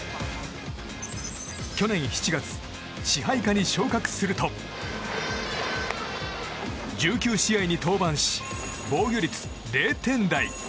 去年７月、支配下に昇格すると１９試合に登板し防御率０点台！